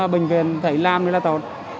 bệnh viện thấy làm đó là tốt